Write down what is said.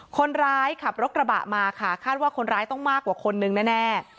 คนร้ายขับรถกระบะมาค่ะคาดว่าคนร้ายต้องมากกว่าคนนึงแน่